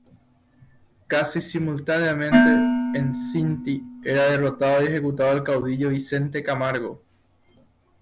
Casi simultáneamente, en Cinti, era derrotado y ejecutado el caudillo Vicente Camargo.